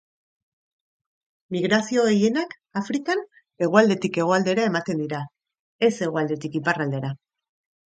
Migrazio gehienak Afrikan hegoaldetik hegoaldera ematen dira, ez hegoaldetik iparraldera.